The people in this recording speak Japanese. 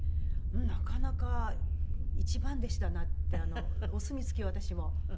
なかなか一番弟子だなってお墨付きを私も。